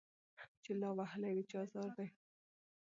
چي لا وهلی د چا آزار دی